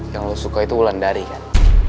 yang lo suka itu wulan dari kan